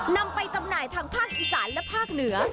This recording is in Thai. นำไปจำหน่ายทางภาคอีสานและภาคเหนือ